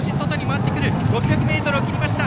６００ｍを切りました。